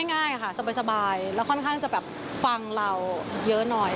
ง่ายค่ะสบายแล้วค่อนข้างจะแบบฟังเราเยอะหน่อย